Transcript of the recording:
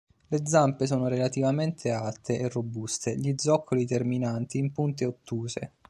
Le zampe sono relativamente alte e robuste, gli zoccoli terminanti in punte ottuse.